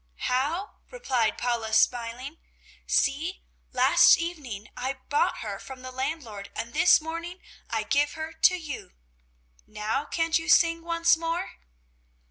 "How?" replied Paula, smiling. "See, last evening I bought her from the landlord and this morning I give her to you. Now can't you sing once more?"